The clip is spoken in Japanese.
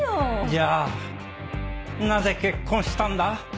じゃあなぜ結婚したんだ？